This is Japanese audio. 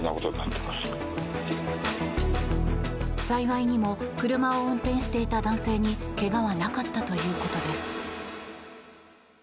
幸いにも車を運転していた男性に怪我はなかったということです。